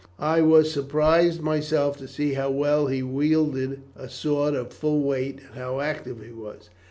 I was surprised myself to see how well he wielded a sword of full weight, and how active he was.